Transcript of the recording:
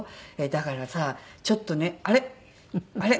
だからさちょっとねあれ？あれ？